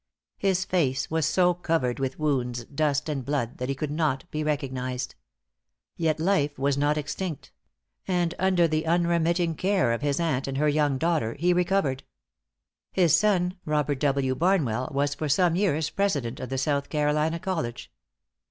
His face was so covered with wounds, dust and blood, that he could not be recognized. Yet life was not extinct; and under the unremitting care of his aunt and her young daughter, he recovered. His son, Robert W. Barnwell, was for some years president of the South Carolina College.